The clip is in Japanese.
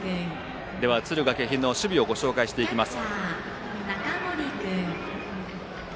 敦賀気比の守備をご紹介します。